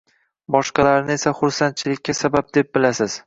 boshqalarini esa xursandchilikka sabab deb bilasiz.